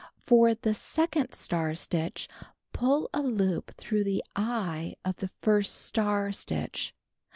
2. For the second star stitch, pull a loop through the "eye" of the first star stitch.